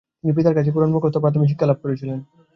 তিনি পিতার কাছে কুরআন মুখস্থ ও প্রাথমিক শিক্ষা লাভ করেছিলেন।